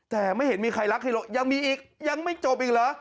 แต่ไม่เห็นมีใครรักเฮโลยังมีอีกยังไม่จบอีกเหรอ